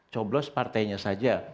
coblos partainya saja